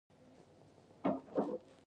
هلته یوه سپېنه مرغانه وه.